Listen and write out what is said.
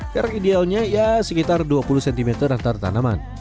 jarak idealnya ya sekitar dua puluh cm antara tanaman